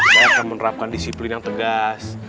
saya akan menerapkan disiplin yang tegas